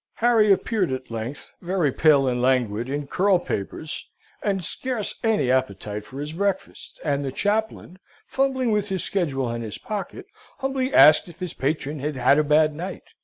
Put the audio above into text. Harry appeared at length, very pale and languid, in curl papers, and scarce any appetite for his breakfast; and the chaplain, fumbling with his schedule in his pocket, humbly asked if his patron had had a bad night?